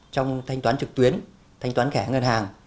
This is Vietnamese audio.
trong thanh toán trực tuyến thanh toán khẻ ngân hàng